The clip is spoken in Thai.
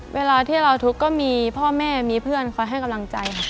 เวลาที่เราทุกข์ก็มีพ่อแม่มีเพื่อนคอยให้กำลังใจค่ะ